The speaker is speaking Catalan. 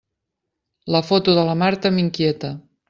La foto de la Marta m'inquieta.